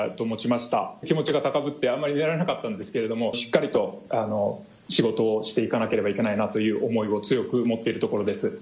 気持ちが高ぶって寝られなかったんですけどもしっかり仕事をしていかなければならないという思いを強く持っています。